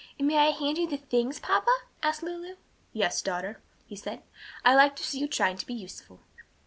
"And may I hand you the things, papa?" asked Lulu. "Yes, daughter," he said, "I like to see you trying to be useful."